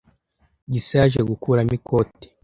Gisa yaje gukuramo ikote.